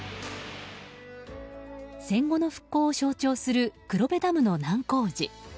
戦後の復興を象徴する黒部ダムの難工事。